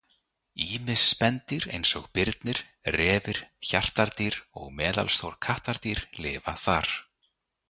Ýmis spendýr eins og birnir, refir, hjartardýr og meðalstór kattardýr lifa þar.